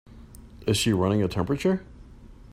Is she running a temperature?